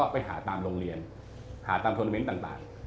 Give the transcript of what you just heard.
ไปหาตามโรงเรียนหาตามทวนาเมนต์ต่าง